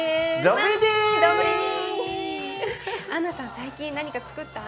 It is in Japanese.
最近何かつくった？